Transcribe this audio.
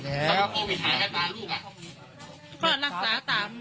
ค่าแขนเท่าไหร่ครับ